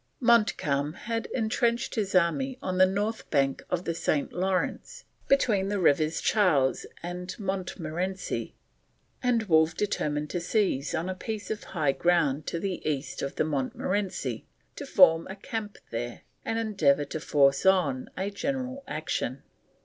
Montcalm had entrenched his army on the north bank of the St. Lawrence, between the rivers Charles and Montmorenci, and Wolfe determined to seize on a piece of high ground to the east of the Montmorenci, to form a camp there, and endeavour to force on a general action.